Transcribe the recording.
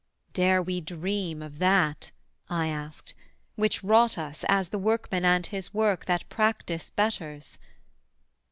'Dare we dream of that,' I asked, 'Which wrought us, as the workman and his work, That practice betters?'